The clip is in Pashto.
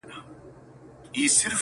څو مېږیانو پکښي وکړل تقریرونه!!